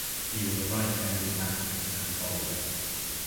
He is a right-handed batsman and bowler.